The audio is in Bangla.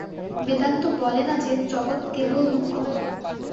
বেদান্ত বলে না যে, জগৎ কেবল দুঃখময়।